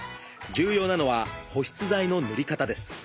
重要なのは保湿剤の塗り方です。